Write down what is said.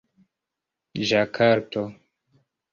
ĝakarto